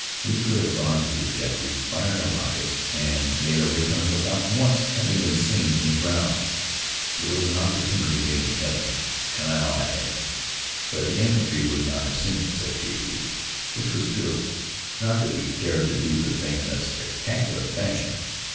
We could have gone to the objective, fired our rockets, and made our return, without once having been seen from the ground. It was an opportunity made in heaven, an Allied heaven. "But the infantry would not have seen it," said J. B.; which was true. Not that we cared to do the thing in a spectacular fashion.